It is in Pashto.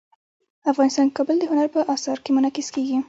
افغانستان کې کابل د هنر په اثار کې منعکس کېږي.